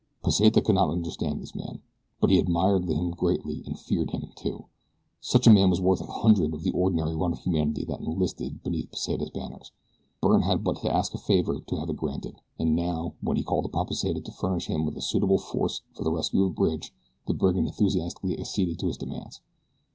Pesita could not understand this man; but he admired him greatly and feared him, too. Such a man was worth a hundred of the ordinary run of humanity that enlisted beneath Pesita's banners. Byrne had but to ask a favor to have it granted, and now, when he called upon Pesita to furnish him with a suitable force for the rescue of Bridge the brigand enthusiastically acceded to his demands.